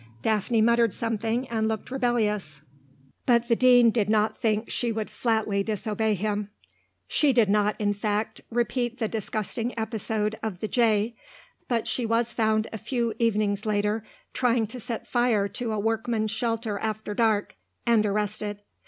Daphne muttered something and looked rebellious; but the Dean did not think she would flatly disobey him. She did not, in fact, repeat the disgusting episode of the Jeye, but she was found a few evenings later trying to set fire to a workmen's shelter after dark, and arrested.